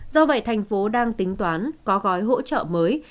do vậy thành phố đang tính toán có gói hỗ trợ mới